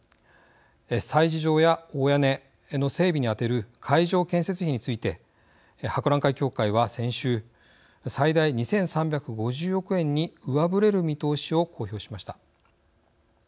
催事場や大屋根の整備に充てる会場建設費について博覧会協会は先週最大２３５０億円に上振れる見通しを公表しました。